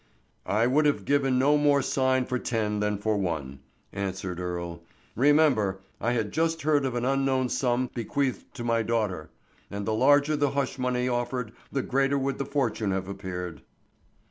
"I would have given no more sign for ten than for one," answered Earle. "Remember, I had just heard of an unknown sum bequeathed to my daughter, and the larger the hush money offered the greater would the fortune have appeared."